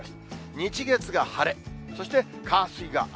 日、月が晴れ、そして火水が雨。